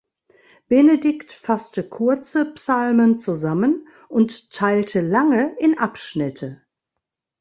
Benedikt fasste kurze Psalmen zusammen und teilte lange in Abschnitte.